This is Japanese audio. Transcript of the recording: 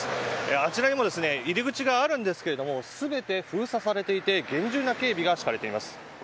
あちらにも入り口がありますが全て封鎖されていて厳重な警備が敷かれています。